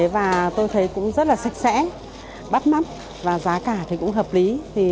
và tôi thấy cũng rất là sạch sẽ bắt mắt và giá cả thì cũng hợp lý